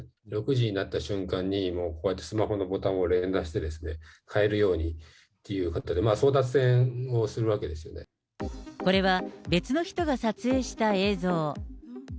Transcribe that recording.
６時になった瞬間に、もうこうやってスマホのボタンを連打して、買えるようにっていうことで、これは別の人が撮影した映像。